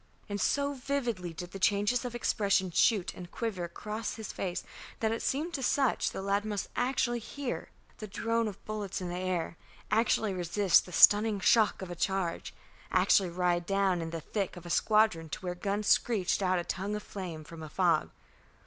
And so vividly did the changes of expression shoot and quiver across his face, that it seemed to Sutch the lad must actually hear the drone of bullets in the air, actually resist the stunning shock of a charge, actually ride down in the thick of a squadron to where guns screeched out a tongue of flame from a fog.